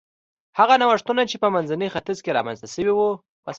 هغه نوښتونه چې په منځني ختیځ کې رامنځته شوي و